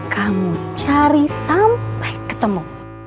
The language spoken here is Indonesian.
kamu cari sampai ketemu